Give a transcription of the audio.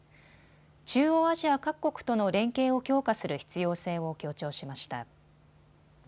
中央アジア各国との連携を強化する必要性を強調しました。